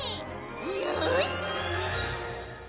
よし！